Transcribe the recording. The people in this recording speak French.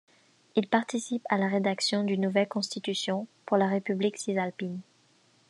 Il participe à la rédaction d'une nouvelle constitution pour la République cisalpine.